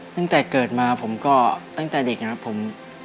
ตั้งแต่เกิดมาผมก็ตั้งแต่เด็กนะครับผม